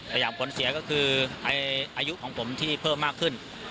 ยามผลเสียก็คืออายุของผมที่เพิ่มมากขึ้น